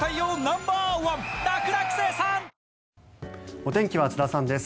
お天気は津田さんです。